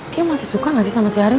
dia masih suka gak sih sama si arena